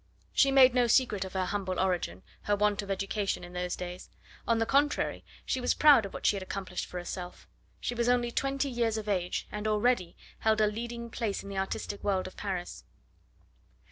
She made no secret of her humble origin, her want of education in those days; on the contrary, she was proud of what she had accomplished for herself. She was only twenty years of age, and already held a leading place in the artistic world of Paris.